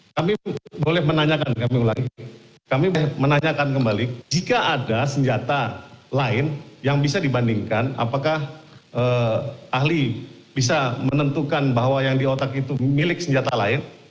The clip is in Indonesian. kami boleh kami menanyakan kembali jika ada senjata lain yang bisa dibandingkan apakah ahli bisa menentukan bahwa yang di otak itu milik senjata lain